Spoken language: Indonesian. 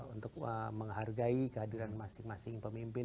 untuk menghargai kehadiran masing masing pemimpin